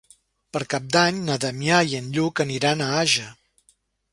Per Cap d'Any na Damià i en Lluc aniran a Àger.